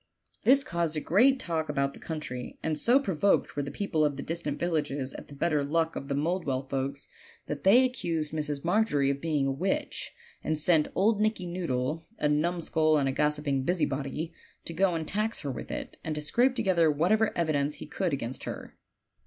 This caused a great talk about the country; and so provoked were the' people of the distant villages at the better luck of the Mouldwell folks that they accused Mrs. Margery of be ing a witch, and sent old Nicky Noodle, a numskull and a gossiping busybody, to go and tax her with it, and to scrape together whatever evidence he could against her.